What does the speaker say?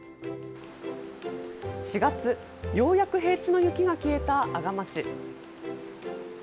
４月、ようやく平地の雪が消えた阿賀町。